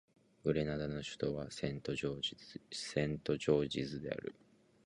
グレナダの首都はセントジョージズである